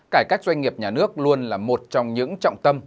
cải cách doanh nghiệp nhà nước luôn là một trong những trọng tâm